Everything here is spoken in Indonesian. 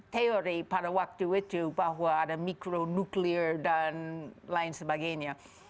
teori pada waktu itu bahwa ada mikro nuklir dan lain sebagainya